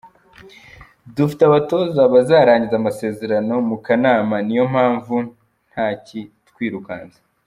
Dufite abatoza bazarangiza amasezerano mu kanama niyo mpamvu ntakitwirukansa.